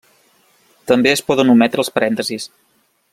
També es poden ometre els parèntesis.